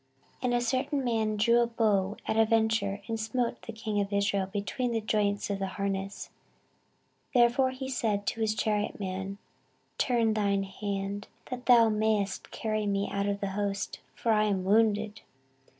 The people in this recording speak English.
14:018:033 And a certain man drew a bow at a venture, and smote the king of Israel between the joints of the harness: therefore he said to his chariot man, Turn thine hand, that thou mayest carry me out of the host; for I am wounded.